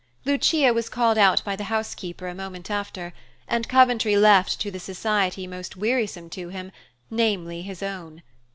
Lucia was called out by the housekeeper a moment after, and Coventry left to the society most wearisome to him, namely his own.